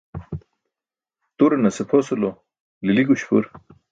Turanase pʰosulo lili guśpur.